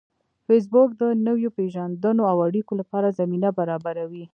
فېسبوک د نویو پیژندنو او اړیکو لپاره زمینه برابروي